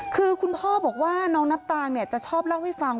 คือคุณพ่อบอกว่าน้องน้ำตาลจะชอบเล่าให้ฟัง